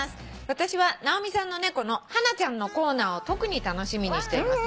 「私は直美さんの猫のハナちゃんのコーナーを特に楽しみにしています」